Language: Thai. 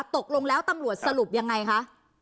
ตกลงแล้วตำรวจสรุปยังไงคะ